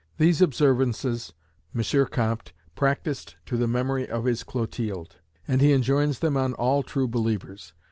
These observances M. Comte practised to the memory of his Clotilde, and he enjoins them on all true believers.